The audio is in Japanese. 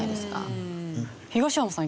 東山さん